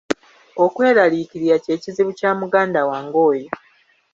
Okweraliikirira kye kizibu kya muganda wange oyo.